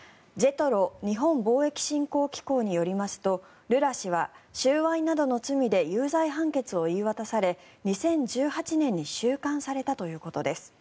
ＪＥＴＲＯ・日本貿易振興機構によりますとルラ氏は収賄などの罪で有罪判決を言い渡され２０１８年に収監されたということです。